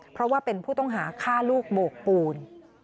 เพราะว่าเป็นผู้ต้องหาฆ่าลูกโบกปูน